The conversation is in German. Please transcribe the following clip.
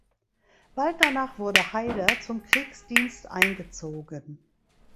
Bald danach wurde Heyder zum Kriegsdienst eingezogen.